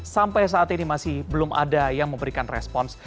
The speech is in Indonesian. sampai saat ini masih belum ada yang memberikan respons